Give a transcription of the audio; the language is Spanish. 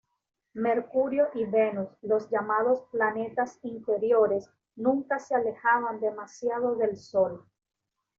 Mercurio y Venus, los llamados planetas interiores, nunca se alejaban demasiado del sol.